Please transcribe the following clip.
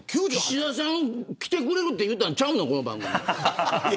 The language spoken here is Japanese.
岸田さん来てくれるって言ったんちゃうのこの番組。